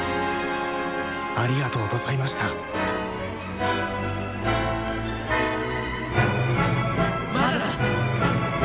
ありがとうございましたまだだ！